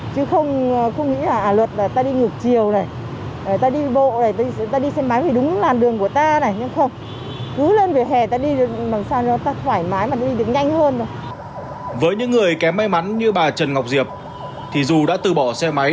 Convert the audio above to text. thường thường người ta phải đứng xa